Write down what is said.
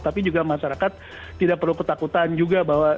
tapi juga masyarakat tidak perlu ketakutan juga bahwa